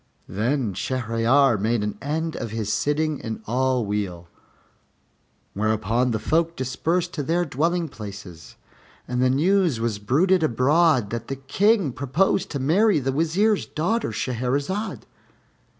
Then Shahryar made an end of his sitting in all weal, whereupon the folk dispersed to their dwelling places, and the news was bruited abroad that the King proposed to marry the Wazir's daughter, Shahrazad.